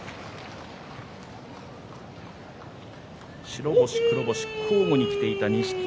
白星、黒星交互にきていた錦木。